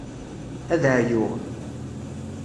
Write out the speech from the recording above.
Ad ɛeyyuɣ.